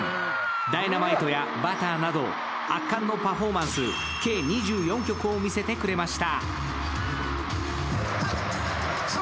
「Ｄｙｎａｍｉｔｅ」や「Ｂｕｔｔｅｒ」など圧巻のパフォーマンス計２４曲を見せてくれました。